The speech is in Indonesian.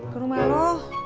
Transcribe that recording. ke rumah lo